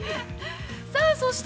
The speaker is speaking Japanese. ◆さあそして